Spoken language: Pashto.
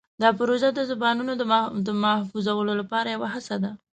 دا پروژه د زبانونو د محفوظولو لپاره یوه هڅه ده.